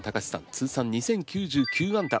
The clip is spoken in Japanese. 通算２０９９安打。